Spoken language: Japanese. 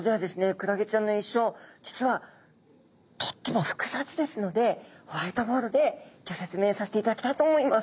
クラゲちゃんの一生実はとっても複雑ですのでホワイトボードでギョ説明させていただきたいと思います。